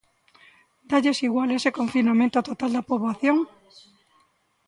¿Dálles igual ese confinamento total da poboación?